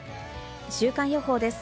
週間予報です。